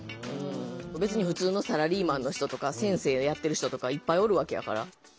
別に普通のサラリーマンの人とか先生をやってる人とかいっぱいおるわけやから。